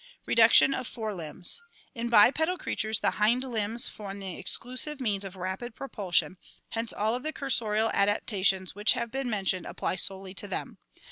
Reduction of Fore Limbs. — In bipedal creatures the hind limbs form the exclusive means of rapid propulsion, hence all of the cur sorial adaptations which have been mentioned apply solely to them.